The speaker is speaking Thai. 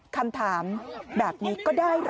คำถามแบบนี้ก็ได้เหรอ